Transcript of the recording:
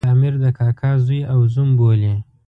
د امیر د کاکا زوی او زوم بولي.